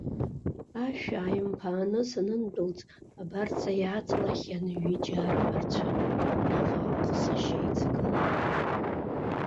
Ашә ааимԥааны санындәылҵ, абарҵа иааҵалахьан ҩыџьа арԥарцәа, наҟ-ааҟ сашьа иҵагыланы.